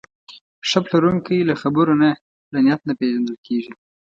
ښه پلورونکی له خبرو نه، له نیت نه پېژندل کېږي.